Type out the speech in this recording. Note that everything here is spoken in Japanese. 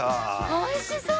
おいしそう！